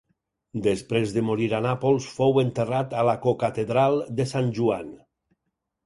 Després de morir a Nàpols fou enterrat a la cocatedral de Sant Joan.